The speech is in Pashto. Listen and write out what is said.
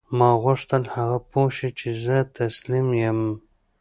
ما غوښتل هغه پوه شي چې زه تسلیم یم